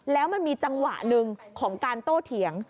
แล้วมันมีจังหวะหนึ่งของการโต้เถียง